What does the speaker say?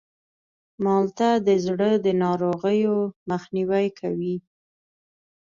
مالټه د زړه د ناروغیو مخنیوی کوي.